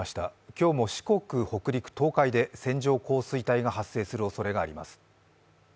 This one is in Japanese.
今日も四国、北陸、東海で線状降水帯が発生するおそれがあります。